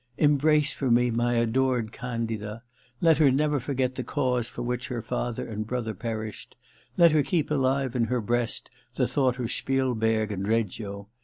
* Embrace for me my adored Candida ... let her never forget the cause for which her father and brother perished ... let her keep alive in her breast the thought of Spielberg and Reggio.